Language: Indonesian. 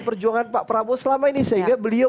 perjuangan pak prabowo selama ini sehingga beliau